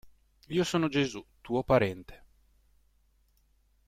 Io sono Gesù, tuo parente.